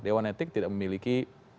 dewan etik tidak memiliki